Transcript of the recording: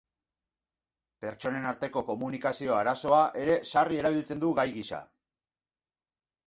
Pertsonen arteko komunikazio-arazoa ere sarri erabiltzen du gai gisa.